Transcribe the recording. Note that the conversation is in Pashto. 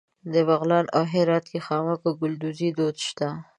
بغلان او هرات کې خامک او ګلدوزي دود شته.